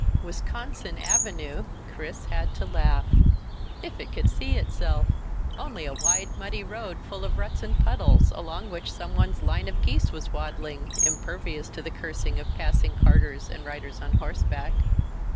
Wisconsin Avenue! Chris had to laugh. If it could see itself! Only a wide muddy road full of ruts and puddles, along which someone's line of geese was waddling, impervious to the cursing of passing carters and riders on horseback.